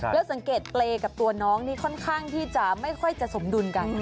แล้วสังเกตเปรย์กับตัวน้องนี่ค่อนข้างที่จะไม่ค่อยจะสมดุลกัน